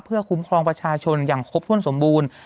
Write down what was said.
เพื่อคุ้มครองประชาชนอย่างครบถ้วนสมบูรณ์